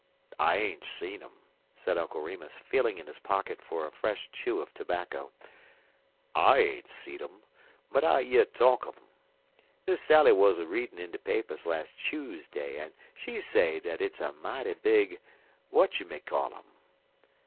"I ain't seed um," said Uncle Remus, feeling in his pocket for a fresh chew of tobacco. "I ain't seed um, but I year talk un um. Miss Sally wuz a readin' in de papers las' Chuseday, an' she say dat's it's a mighty big watchyoumaycollum."